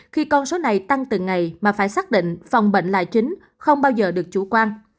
khi con số này tăng từng ngày mà phải xác định phòng bệnh là chính không bao giờ được chủ quan